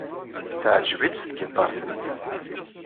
Teɛjeb-itt tgiṭart-nni.